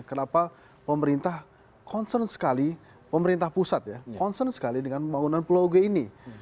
kenapa pemerintah concern sekali pemerintah pusat ya concern sekali dengan pembangunan pulau g ini